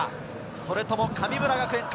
それとも神村学園か？